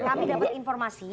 kami dapat informasi